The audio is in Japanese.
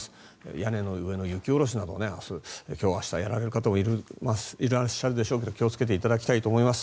屋根の上の雪下ろしなど今日明日やられる方もいらっしゃるでしょうけど気をつけていただきたいと思います。